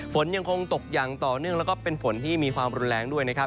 ฝนยังคงตกอย่างต่อเนื่องแล้วก็เป็นฝนที่มีความรุนแรงด้วยนะครับ